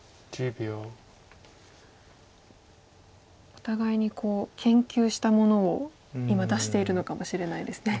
お互いにこう研究したものを今出しているのかもしれないですね。